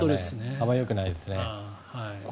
あまりよくないですね。